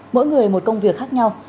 mỗi người một công việc khác nhau